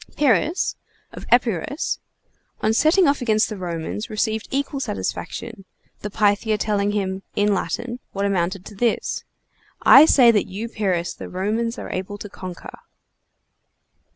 Pyrrhus, of Epirus, on setting off against the Romans, received equal satisfaction, the Pythia telling him (in Latin) what amounted to this: "I say that you Pyrrhus the Romans are able to conquer!"